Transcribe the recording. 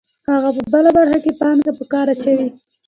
هغه په بله برخه کې پانګه په کار اچوي